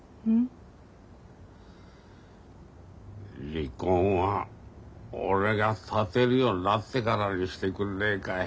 離婚は俺が立てるようになってからにしてくんねえかい。